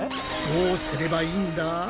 どうすればいいんだ？